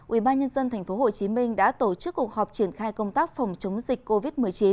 ubnd tp hcm đã tổ chức cuộc họp triển khai công tác phòng chống dịch covid một mươi chín